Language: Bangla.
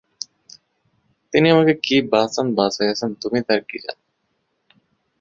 তিনি আমাকে কী-বাঁচান বাঁচাইয়াছেন তুমি তার কী জান?